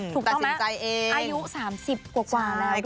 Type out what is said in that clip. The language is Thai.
ถูกต้องไหมอายุ๓๐กว่าแล้วด้วยนะ